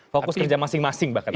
fokus kerja masing masing mbak ketan